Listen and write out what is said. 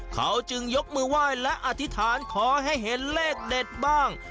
เขาจึงยกมือไหว้และอธิษฐานขอให้เห็นเลขเด็ดบ้าง